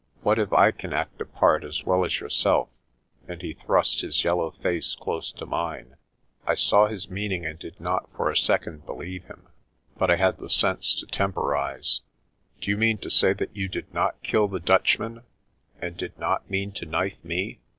What if I can act a part as well as yourself?" And he thrust his yellow face close to mine. ARCOLL SENDS A MESSAGE 155 I saw his meaning and did not for a second believe himj but I had the sense to temporise. <c Do you mean to say that you did not kill the Dutchmen, and did not mean to knife me?